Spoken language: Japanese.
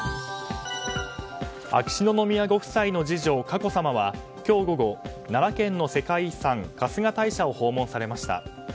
秋篠宮ご夫妻の次女佳子さまは今日午後、奈良県の世界遺産春日大社を訪問されました。